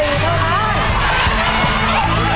เวลาเวลา